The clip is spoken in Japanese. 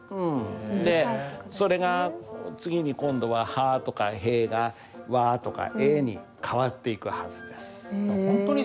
でそれが次に今度は「は」とか「へ」が「わ」とか「え」に変わっていくはずです。